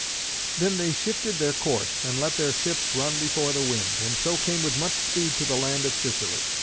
Then they shifted their course, and let their ships run before the wind, and so came with much speed to the land of Sicily.